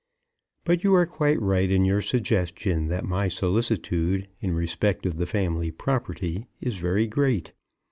But you are quite right in your suggestion that my solicitude in respect of the family property is very great.